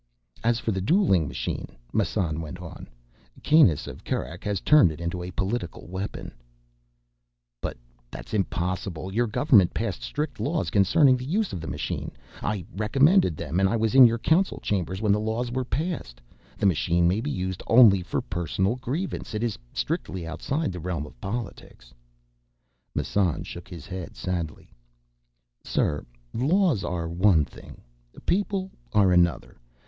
"As for the dueling machine," Massan went on, "Kanus of Kerak has turned it into a political weapon—" "But that's impossible. Your government passed strict laws concerning the use of the machine; I recommended them and I was in your Council chambers when the laws were passed. The machine may be used only for personal grievances. It is strictly outside the realm of politics." Massan shook his head sadly. "Sir, laws are one thing—people are another.